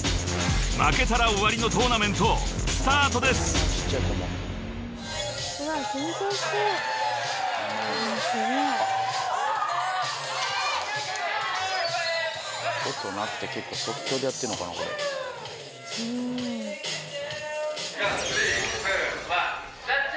［負けたら終わりのトーナメントスタートです］３２１ジャッジ！